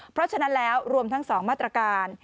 เพราะฉะนั้นแล้วรวมทั้ง๒มาตรการ